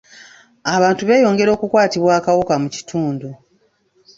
Abantu beeyongera okukwatibwa akawuka mu kitundu.